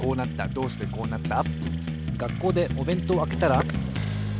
どうしてこうなった？